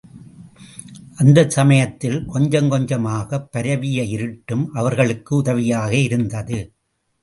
அந்தச் சமயத்தில் கொஞ்சம் கொஞ்சமாகப் பரவிய இருட்டும் அவர்களுக்கு உதவியாக இருந்தது.